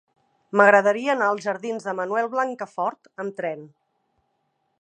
M'agradaria anar als jardins de Manuel Blancafort amb tren.